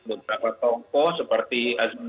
beberapa tokoh seperti azman